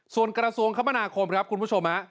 ส่วนกระทรวงคมนาคมครับคุณผู้ชมฮะ